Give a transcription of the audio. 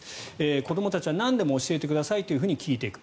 子どもたちはなんでも教えてくださいと聞いてくる。